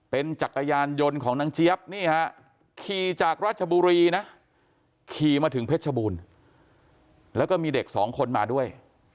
เป็นจักรยานยนต์ของนางเจี๊ยบนี่ฮะขี่จากราชบุรีนะขี่มาถึงเพชรชบูรณ์แล้วก็มีเด็กสองคนมาด้วย